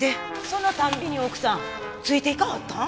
そのたんびに奥さんついて行かはったん？